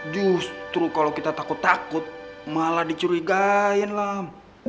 justru kalo kita takut takut malah dicurigain lam